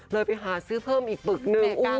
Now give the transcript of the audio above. ไปหาซื้อเพิ่มอีกปึกหนึ่ง